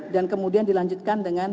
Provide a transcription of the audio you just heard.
dan kemudian dilanjutkan dengan